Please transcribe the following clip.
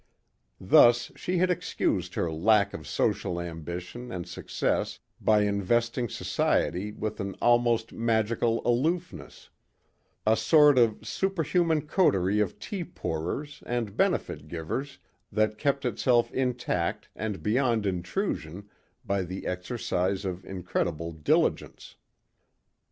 Thus she had excused her lack of social ambition and success by investing Society with an almost magical aloofness, a sort of superhuman cotorie of tea pourers and benefit givers that kept itself intact and beyond intrusion by the exercise of incredible diligence.